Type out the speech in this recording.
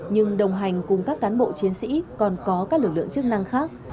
nhưng đồng hành cùng các cán bộ chiến sĩ còn có các lực lượng chức năng khác